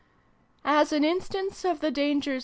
As an instance of the dangers